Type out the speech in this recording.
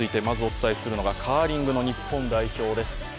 まずお伝えするのがカーリングの日本代表です。